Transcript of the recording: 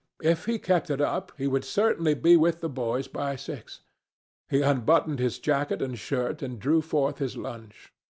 If he kept it up, he would certainly be with the boys by six. He unbuttoned his jacket and shirt and drew forth his lunch.